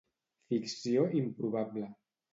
Ficció improbable